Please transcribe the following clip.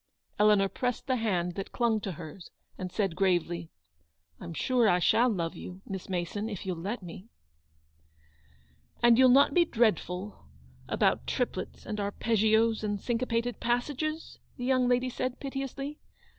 Eleanor pressed the hand that clung to hers, and said, gravely : "I'm sure I shall love you, Miss Mason, if you'll let me." "And you'll not be dreadful, about triplets and arpeggios, and cinquepated passages ?the young lady said, piteously.